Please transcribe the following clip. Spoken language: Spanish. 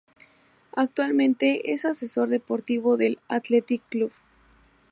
Actualmente es asesor deportivo del Athletic Club.